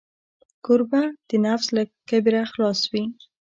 کوربه د نفس له کبره خلاص وي.